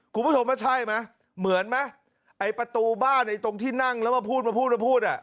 คุณผู้ชมว่าใช่ไหมเหมือนไหมประตูบ้านตรงที่นั่งแล้วมาพูด